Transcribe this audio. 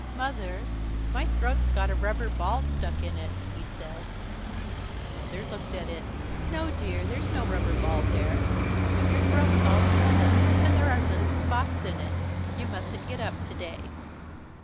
"Mother, my throat's got a rubber ball stuck in it," he said. Mother looked at it. "No, dear, there's no rubber ball there, but your throat's all swollen and there are little spots in it. You mustn't get up today."